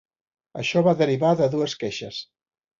Això va derivar de dues queixes.